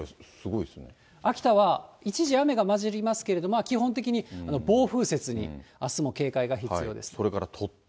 秋田は一時、雨がまじりますけれども、基本的に暴風雪に、あすも警戒が必要です。